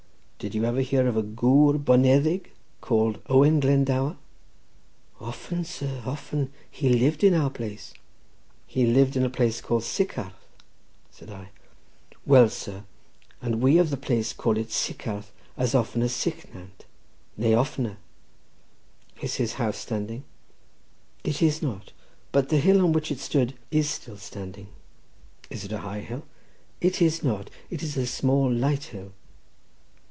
"Did you ever hear of a gwr boneddig called Owen Glendower?" "Often, sir, often; he lived in our place." "He lived in a place called Sycharth?" said I. "Well, sir, and we of the place call it Sycharth as often as Sychnant; nay, oftener." "Is his house standing?" "It is not; but the hill on which it stood is still standing." "Is it a high hill?" "It is not; it is a small, light hill."